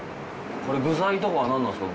これ具材とかは何なんですか？